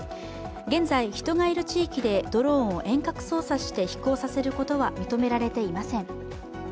現在、人がいる地域でドローンを遠隔操作して飛行させることは認められていません。